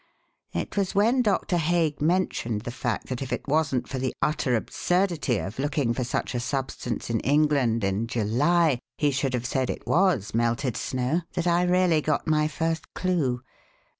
It was when Doctor Hague mentioned the fact that if it wasn't for the utter absurdity of looking for such a substance in England in July, he should have said it was melted snow, that I really got my first clue.